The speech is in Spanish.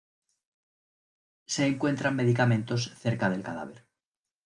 Se encuentran medicamentos cerca del cadáver.